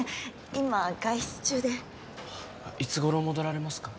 今外出中でいつ頃戻られますか？